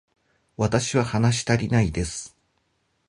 私は話したりないです